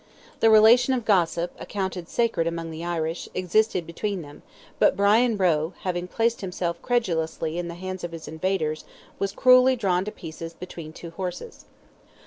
The relation of gossip, accounted sacred among the Irish, existed between them, but Brien Roe, having placed himself credulously in the hands of his invaders, was cruelly drawn to pieces between two horses.